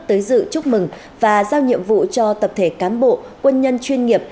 tới dự chúc mừng và giao nhiệm vụ cho tập thể cán bộ quân nhân chuyên nghiệp